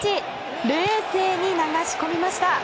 冷静に流し込みました。